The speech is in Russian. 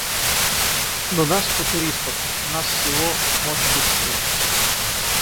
Но нас, футуристов, нас всего – быть может – семь.